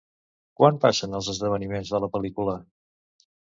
Quan passen els esdeveniments de la pel·lícula?